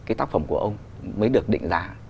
cái tác phẩm của ông mới được định giả